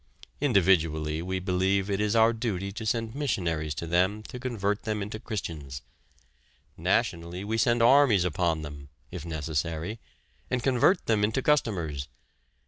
Individually we believe it is our duty to send missionaries to them to convert them into Christians. Nationally we send armies upon them (if necessary) and convert them into customers!